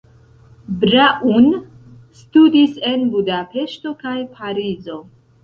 Braun studis en Budapeŝto kaj Parizo.